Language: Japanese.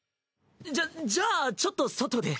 じゃじゃあちょっと外で。